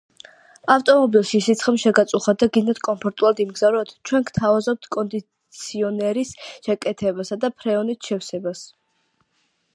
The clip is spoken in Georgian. ავტომობილში სიცხემ შეგაწუხათ და გიდნათ კომფორტულად იმგზავროთ? ჩვენ გთავაზობთ კონდიციონერის შეკეთებასა და ფრეონით შევსებას